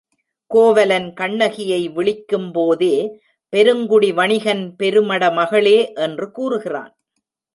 கோவலன் கண்ணகியை விளிக்கும் போதே, பெருங்குடி வணிகன் பெருமட மகளே என்று கூறுகிறான்.